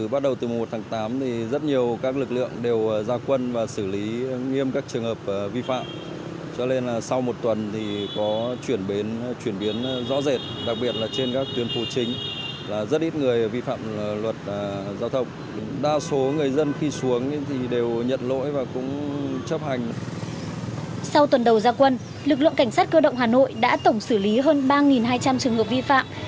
sau tuần đầu gia quân lực lượng cảnh sát cơ động hà nội đã tổng xử lý hơn ba hai trăm linh trường hợp vi phạm